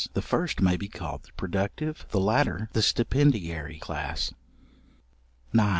The first may be called the productive, the latter the stipendiary class. §9.